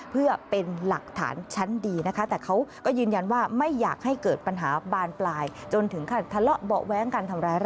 เพื่อเป็นหลักฐานชั้นดีนะคะ